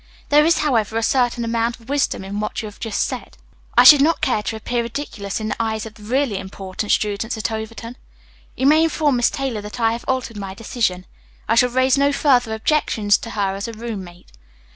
"There is, however, a certain amount of wisdom in what you have just said. I should not care to appear ridiculous in the eyes of the really important students at Overton. You may inform Miss Taylor that I have altered my decision. I shall raise no further objections to her as a roommate."